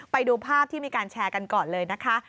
ไปดูภาพที่มีการแชร์กันก่อนเลยนะคะ